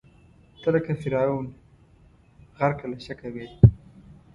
ته لکه فرعون، غرقه له شکه وې